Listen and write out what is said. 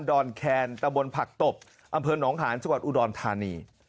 อนแคนตะบนผักตบอำเภอหนองหาญจังหวัดอุดรธานี